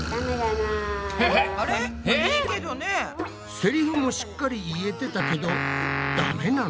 セリフもしっかり言えてたけどダメなの？